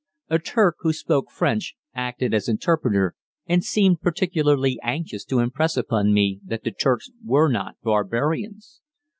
A Turk, who spoke French, acted as interpreter, and seemed particularly anxious to impress upon me that the Turks were not barbarians.